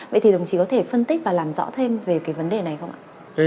vậy thì đồng chí có thể phân tích và làm rõ thêm về cái vấn đề này không ạ